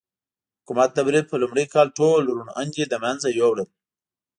حکومت د برید په لومړي کال ټول روڼ اندي له منځه یووړل.